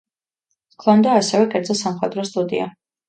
ჰქონდა ასევე კერძო სამხატვრო სტუდია.